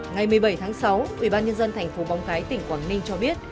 ngày một mươi bảy tháng sáu ubnd tp móng cái tỉnh quảng ninh cho biết